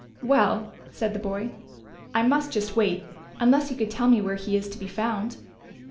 "Well," said the boy, "I must just wait, unless you could tell me where he is to be found."